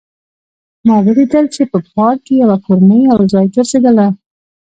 ما ولیدل چې په پارک کې یوه کورنۍ یو ځای ګرځېدله